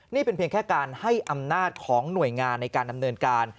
นี่เป็นเพียงแค่การให้อำนาจของหน่วยงานในการดำเนินการ